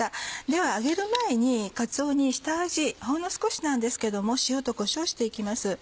では揚げる前にかつおに下味ほんの少しなんですけども塩とこしょうして行きます。